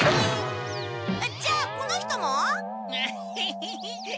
じゃあこの人も？ヘヘヘ。